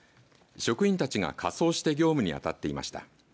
職員たちが仮装して業務に当たっていました。